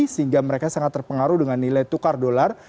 sehingga mereka sangat terpengaruh dengan nilai tukar dolar